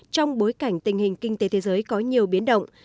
trong bối cảnh tình hình kinh tế thế giới có nhiều biến động